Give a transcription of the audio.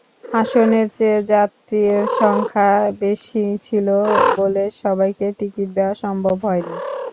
আসনের চেয়ে যাত্রীর সংখ্যা বেশি ছিল বলে সবাইকে টিকিট দেওয়া সম্ভব হয়নি।